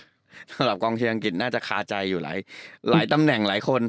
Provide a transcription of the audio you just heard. สำหรับกองเชียร์อังกฤษน่าจะคาใจอยู่หลายตำแหน่งหลายคน